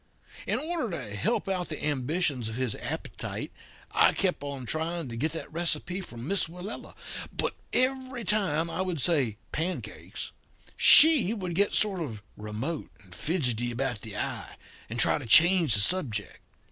In order to help out the ambitions of his appetite I kept on trying to get that receipt from Miss Willella. But every time I would say 'pancakes' she would get sort of remote and fidgety about the eye, and try to change the subject.